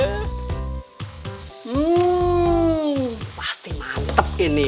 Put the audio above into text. hmm pasti mantep ini